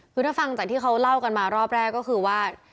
คือถ้าฟังจากที่เขาเล่ากันมารอบแรกก็คือว่า